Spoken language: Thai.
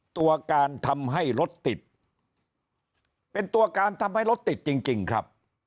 ตัวการทำให้รถติดเป็นตัวการทำให้รถติดจริงครับ